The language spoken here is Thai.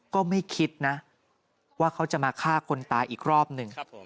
ก็ไม่คิดนะว่าเขาจะมาฆ่าคนตายอีกรอบหนึ่ง